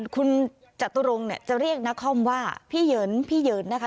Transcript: คุณจตุรงค์เนี่ยจะเรียกนครว่าพี่เหินพี่เหยินนะคะ